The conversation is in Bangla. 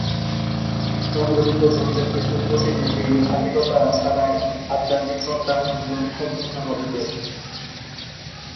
সংগঠিত ধর্মের কিছু প্রতিনিধি ধার্মিকতা ছাড়াই আধ্যাত্মিকতা অনুশীলনের সমালোচনা করেছেন।